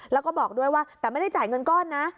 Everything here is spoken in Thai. แล้วก็บอกด้วยว่าแต่ไม่ได้จ่ายเงินก้อนนะ